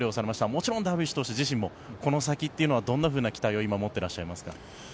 もちろんダルビッシュ投手自身もこの先はどういうことを思っていらっしゃいますか。